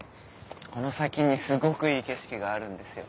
この先にすごくいい景色があるんですよ。